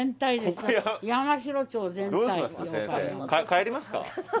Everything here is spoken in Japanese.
帰りますか？